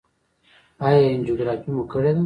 ایا انجیوګرافي مو کړې ده؟